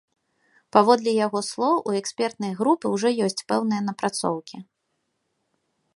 Паводле яго слоў, у экспертнай групы ўжо ёсць пэўныя напрацоўкі.